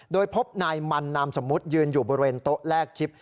โดยพบนายมันนามสมมุติยืนอยู่บริเวณโต๊ะแลกชิป